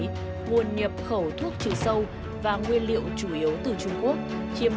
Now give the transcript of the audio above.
nguồn nhập khẩu thuốc trừ sâu và nguyên liệu chủ yếu từ trung quốc